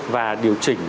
và điều chỉnh